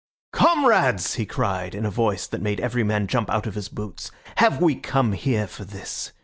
"Comrades!" he cried, in a voice that made every man jump out of his boots, "have we come here for this?